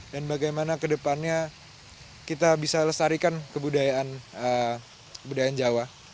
dan bagaimana ke depannya kita bisa lestarikan kebudayaan jawa